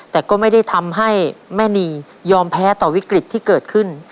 แต่ก็ไม่ได้ทำให้แม่นียอมแพ้ต่อวิกฤตที่เกิดขึ้น